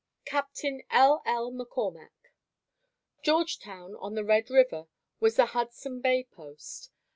Captain L. L. McCormack. Georgetown on the Red River was the Hudson Bay post.